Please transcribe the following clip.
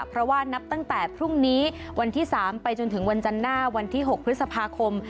เพราะว่านับตั้งแต่พรุ่งนี้วันที่๓ไปจนถึงวันจันทร์หน้าวันที่๖พฤษภาคม